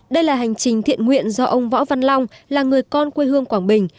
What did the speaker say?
đây là hành trình thiện nguyện do ông võ văn long là người con quê hương quảng bình